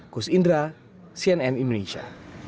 kus indra cnn indonesia